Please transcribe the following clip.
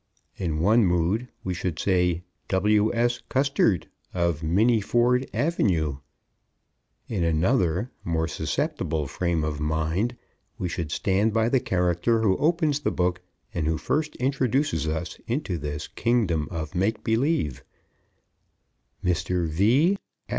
In one mood we should say W.S. Custard of Minnieford Ave. In another, more susceptible frame of mind, we should stand by the character who opens the book and who first introduces us into this Kingdom of Make Believe _Mr. V.